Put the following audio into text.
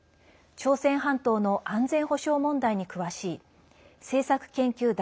朝鮮半島の安全保障問題に詳しい政策研究